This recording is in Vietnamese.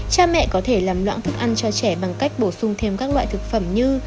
cha mẹ có thể làm loạn thức ăn cho trẻ bằng cách bổ sung thêm các loại thực phẩm như